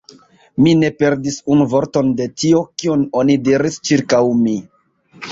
Mi ne perdis unu vorton de tio, kion oni diris ĉirkaŭ mi.